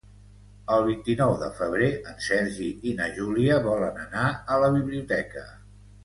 El vint-i-nou de febrer en Sergi i na Júlia volen anar a la biblioteca.